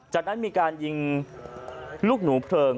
จากนั้นมีการยิงลูกหนูเพลิง